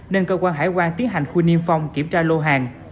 nên cơ quan hải quan tiến hành khu niêm phong kiểm tra lô hàng